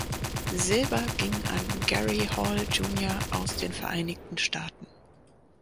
Silber ging an Gary Hall junior aus den Vereinigten Staaten.